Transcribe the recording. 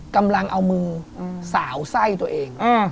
กำลังเอามือสาวไส้ตัวเอง